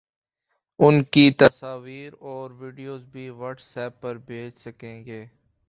اُن کی تصاویر اور ویڈیوز بھی واٹس ایپ پر بھیج سکیں گے